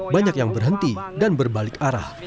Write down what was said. banyak yang berhenti dan berbalik arah